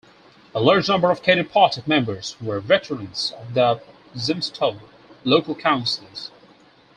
A large number of Kadet party members were veterans of the zemstvo, local councils.